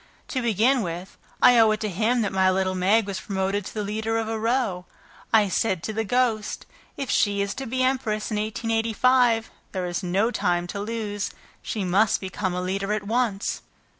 To begin with, I owe it to him that my little Meg was promoted to be the leader of a row. I said to the ghost, 'If she is to be empress in 1885, there is no time to lose; she must become a leader at once.'